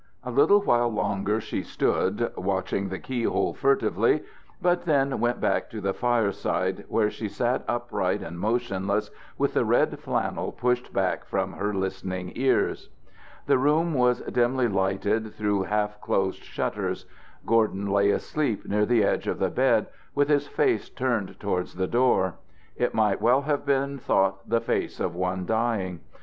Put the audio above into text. A little while longer she stood, watching the key hole furtively, but then went back to the fireside, where she sat upright and motionless with the red flannel pushed back from her listening ears. The room was dimly lighted through half closed shutters. Gordon lay asleep near the edge of the bed, with his face turned towards the door. It might well have been thought the face of one dying.